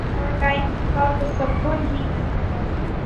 Overtime کا تصور ہی نہیں تھا ۔